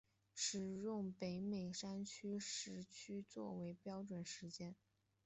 使用北美山区时区作为标准时间。